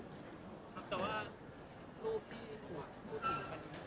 แต่ว่ารูปที่ถูกกันอีกครั้งนี้